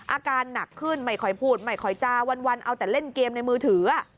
อาการหนักขึ้นไม่ค่อยพูดไม่ค่อยจาวันเอาแต่เล่นเกมในมือถือ